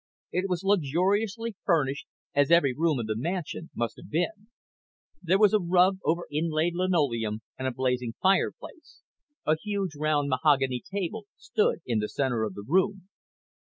It was luxuriously furnished, as every room in the mansion must have been. There was a rug over inlaid linoleum and a blazing fireplace. A huge round mahogany table stood in the center of the room.